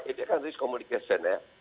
ini kan risk communication ya